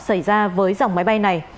xảy ra với dòng máy bay này